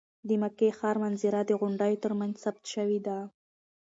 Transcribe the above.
د مکې ښار منظره د غونډیو تر منځ ثبت شوې ده.